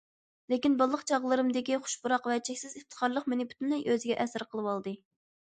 لېكىن، بالىلىق چاغلىرىمدىكى خۇش پۇراق ۋە چەكسىز ئىپتىخارلىق مېنى پۈتۈنلەي ئۆزىگە ئەسىر قىلىۋالدى.